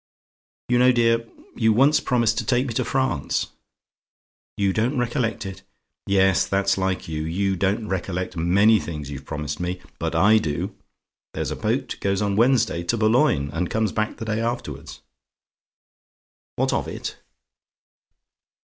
You know, dear, you once promised to take me to France. "YOU DON'T RECOLLECT IT? "Yes that's like you; you don't recollect many things you've promised me; but I do. There's a boat goes on Wednesday to Boulogne, and comes back the day afterwards. "WHAT OF IT?